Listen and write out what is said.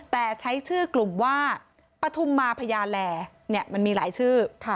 แต่ใช้ชื่อกลุ่มว่าปฐุมมาพญาแลมันมีหลายชื่อ